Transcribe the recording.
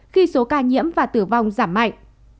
ca nhiễm và tử vong giảm mạnh